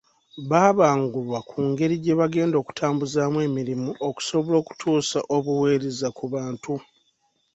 Babangulwa ku ngeri gye bagenda okutambuzaamu emirimu, okusobola okutuusa obuweereza ku bantu.